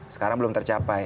sekarang belum tercapai